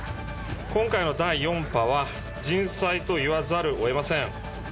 今回の第４波は、人災と言わざるをえません。